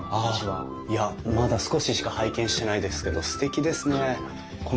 いやまだ少ししか拝見してないですけどすてきですね。